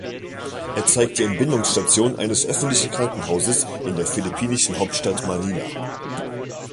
Er zeigt die Entbindungsstation eines öffentlichen Krankenhauses in der philippinischen Hauptstadt Manila.